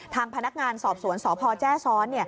ทางพนักงานสอบสวนสพแจ้ซ้อน